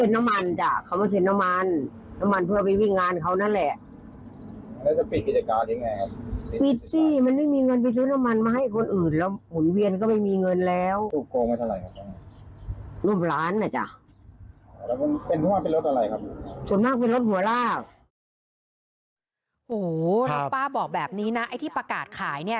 นอกเป็นรถหัวลากโหครับป้าบอกแบบนี้นะไอ้ที่ประกาศขายเนี้ย